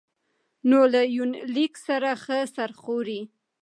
نو له يونليک سره ښه سر خوري